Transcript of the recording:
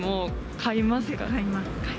買います。